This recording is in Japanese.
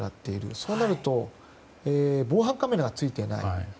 そうなると防犯カメラはついてない。